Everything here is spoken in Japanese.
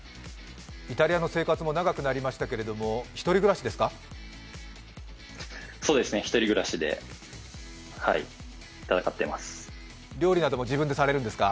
イタリアの生活も長くなりましたけれども、１人暮らしですか？